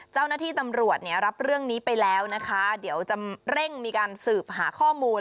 เจ้าหน้าที่ตำรวจเนี่ยรับเรื่องนี้ไปแล้วนะคะเดี๋ยวจะเร่งมีการสืบหาข้อมูล